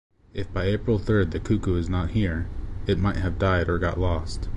If by April third the cuckoo is not hear, it might have died or got lost.